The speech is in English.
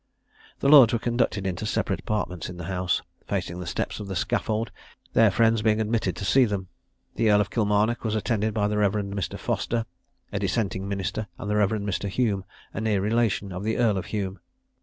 The lords were conducted into separate apartments in the house, facing the steps of the scaffold, their friends being admitted to see them. The Earl of Kilmarnock was attended by the Rev. Mr. Foster, a dissenting minister, and the Rev. Mr. Hume, a near relation of the Earl of Hume.